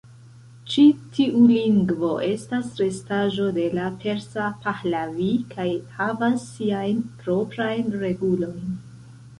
Ĉi tiu lingvo estas restaĵo de la persa Pahlavi kaj havas siajn proprajn regulojn.